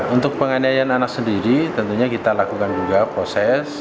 untuk penganiayaan anak sendiri tentunya kita lakukan juga proses